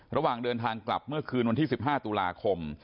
ระหว่างเดินทางกลับเมื่อคืนวันที่๑๕ตุลาคม